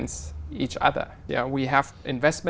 các thử nghiệm